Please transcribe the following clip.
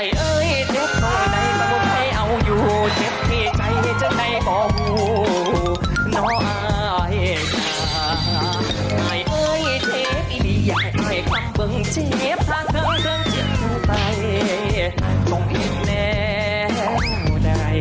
ไอเทปอีดียังไงข้างบึงเจ็บทางเครื่องจิ้มไปมันต้องยิ้มแน่งได้